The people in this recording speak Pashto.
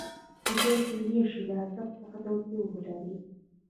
خو بیه کېدای شي له ارزښت څخه توپیر ولري